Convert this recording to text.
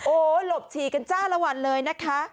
โอ้โหหลบฉี่กันจ้าละวันเลยนะคะ